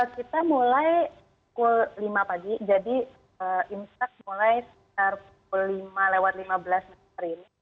kita mulai pukul lima pagi jadi imsak mulai sekitar pukul lima lewat lima belas menit